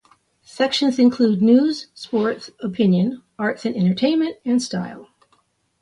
Sections include News, Sports, Opinion, Arts and Entertainment, and Style.